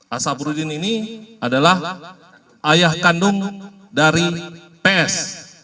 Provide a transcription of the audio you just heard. asabrudin ini adalah ayah kandung dari ps